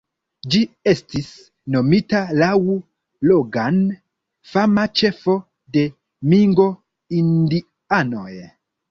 Ĝi estis nomita laŭ Logan, fama ĉefo de Mingo-indianoj.